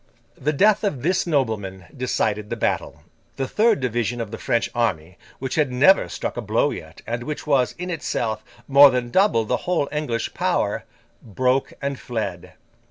The death of this nobleman decided the battle. The third division of the French army, which had never struck a blow yet, and which was, in itself, more than double the whole English power, broke and fled.